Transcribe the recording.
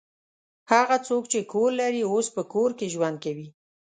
هغه څوک چې کور لري اوس په کور کې ژوند کوي.